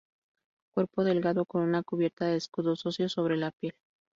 Cuerpo delgado con una cubierta de escudos óseos sobre la piel.